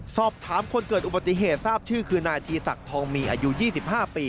สอบถามคนเกิดอุบัติเหตุทราบชื่อคือนายธีศักดิ์ทองมีอายุ๒๕ปี